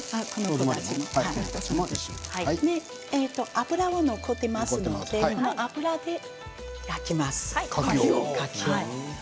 油が残っていますのでこの油で柿を焼きます。